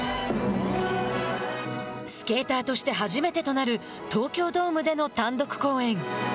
スケーターとして初めてとなる東京ドームでの単独公演。